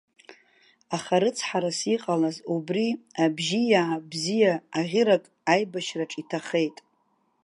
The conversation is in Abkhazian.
Аха, рыцҳарас иҟалаз, убри абжьиаа бзиа аӷьырак аибашьраҿ иҭахеит.